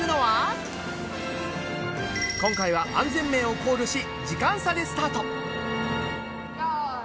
今回は安全面を考慮し用意スタート！